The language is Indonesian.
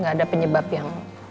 gak ada penyebab yang